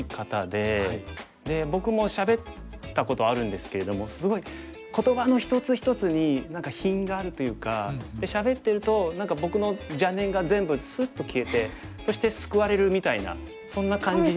で僕もしゃべったことあるんですけれどもすごい言葉の一つ一つに何か品があるというか。でしゃべってると僕の邪念が全部すっと消えてそして救われるみたいなそんな感じ。